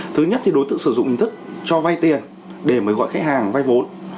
thứ nhất đối tượng sử dụng hình thức cho vay tiền để mới gọi khách hàng vay vốn